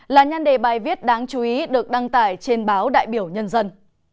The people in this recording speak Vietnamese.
là nhân đề bài viết đáng chú ý được đăng tải trên báo đại biểu nhân dân